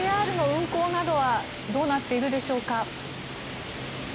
ＪＲの運行などはどうなっているでしょうか？